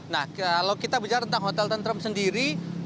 nah kalau kita bicara tentang hotel tentrem sendiri